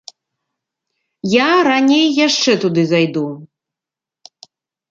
Я раней яшчэ туды зайду.